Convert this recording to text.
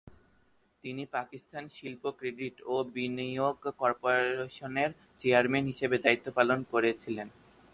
তিনি পাকিস্তান শিল্প ক্রেডিট ও বিনিয়োগ কর্পোরেশনের চেয়ারম্যান হিসাবে দায়িত্ব পালন করেছিলেন।